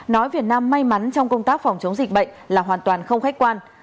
nói việt nam may mắn trong công tác phòng chống dịch bệnh là hoàn toàn không khách quan